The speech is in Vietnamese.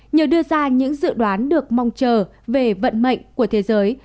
nhờ đưa ra những dự đoán được mong chờ về vận mệnh của thế giới